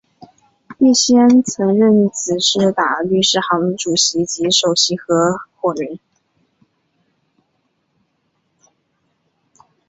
叶锡安曾任孖士打律师行主席及首席合夥人。